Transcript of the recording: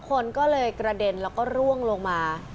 คนก็เลยกระเด็นแล้วก็ร่วงลงมา